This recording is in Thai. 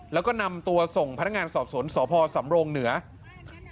แล้วก็นำตัวส่งพนักงานสอบสวนสพสำรงเหนือ